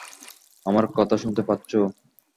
আমার কথা শুনতে পাচ্ছো?